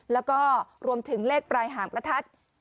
แล้วก็รวมถึงเลขปลายหางประทัด